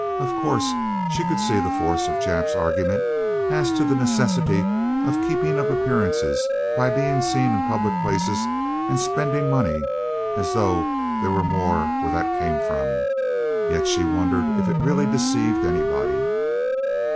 Of course she could see the force of Jap's argument as to the necessity of keeping up appearances by being seen in public places and spending money as though there was more where that came from, yet she wondered if it really deceived anybody.